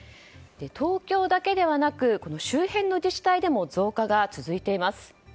東京だけではなく周辺の自治体でも増加が続いています。